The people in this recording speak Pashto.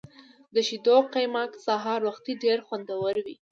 د شیدو قیماق سهار وختي ډیر خوندور وي.